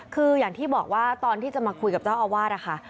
คืออย่างที่บอกว่าตอนที่จะมาคุยกับเจ้าอาวาสนะคะ